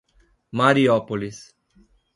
Mariópolis